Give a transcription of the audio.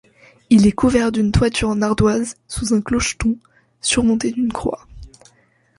Il est couvert d'une toiture en ardoises sous un clocheton surmonté d'une croix.